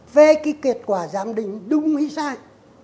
về cái kết quả giám định đúng hay sai